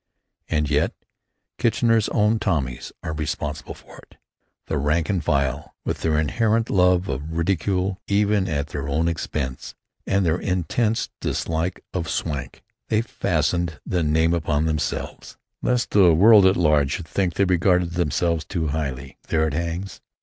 And yet Kitchener's own Tommies are responsible for it, the rank and file, with their inherent love of ridicule even at their own expense, and their intense dislike of "swank." They fastened the name upon themselves, lest the world at large should think they regarded themselves too highly. There it hangs.